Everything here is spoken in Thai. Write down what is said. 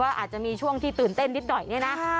อาจจะมีช่วงที่ตื่นเต้นนิดหน่อยเนี่ยนะ